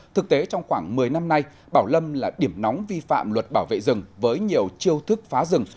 thực tế trong khoảng một mươi năm nay bảo lâm là điểm nóng vi phạm luật bảo vệ rừng với nhiều chiêu thức phá rừng